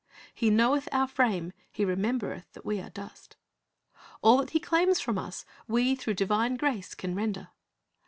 "He knoweth our frame; He remembereth that we are dust."^ All that He claims from us we through divine grace can render.